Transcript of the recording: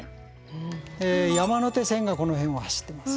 山手線がこの辺を走ってます。